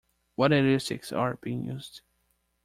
What heuristics are being used?